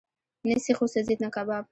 نه سیخ وسوځېد، نه کباب.